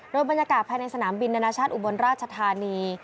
โดยบรรยากาศภายในสนามบินนานาชาติอุบลราชธานี